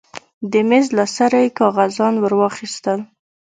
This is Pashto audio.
د مېز له سره يې کاغذان ورواخيستل.